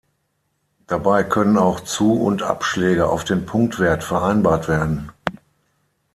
Dabei können auch Zu- und Abschläge auf den Punktwert vereinbart werden.